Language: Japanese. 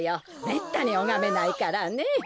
めったにおがめないからね。